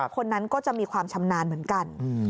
คนนั้นก็จะมีความชำนาญเหมือนกัน